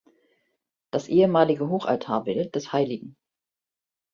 Das ehemalige Hochaltarbild des hl.